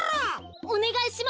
おねがいします！